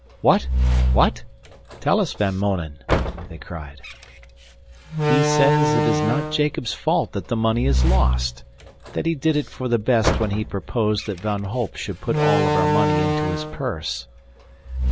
"What? what? Tell us, Van Mounen," they cried. "He says it is not Jacob's fault that the money is lost that he did it for the best when he proposed that Van Holp should put all of our money into his purse."